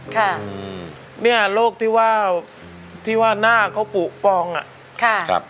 ค่ะเนี่ยโรคที่ว่าที่ว่าหน้าเขาปุปองอ่ะค่ะครับ